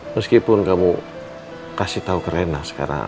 meskipun kamu kasih tahu ke rena sekarang